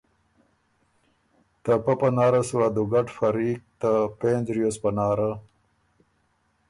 ته پۀ پناره سُو ا دُوګډ فریق ته پېنځ ریوز پناره